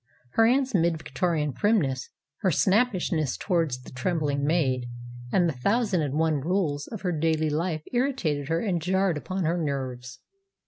Her aunt's mid Victorian primness, her snappishness towards the trembling maid, and the thousand and one rules of her daily life irritated her and jarred upon her nerves.